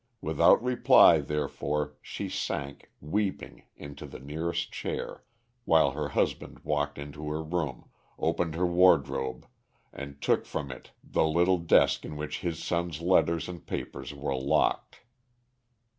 Without reply, therefore, she sank, weeping, into the nearest chair, while her husband walked into her room, opened her wardrobe, and took from it the little desk in which his son's letters and papers were locked.